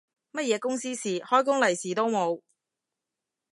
乜嘢公司事，開工利是都冇